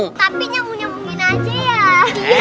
tapi nyambung nyambungin aja ya